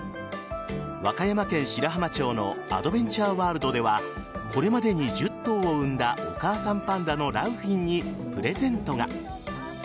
和歌山県白浜町のアドベンチャーワールドではこれまでに１０頭を産んだお母さんパンダの良浜にプレゼントが。